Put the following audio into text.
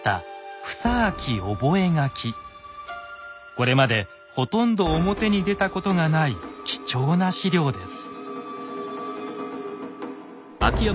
これまでほとんど表に出たことがない貴重な史料です。